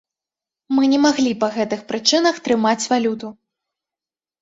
Мы не маглі па гэтых прычынах трымаць валюту.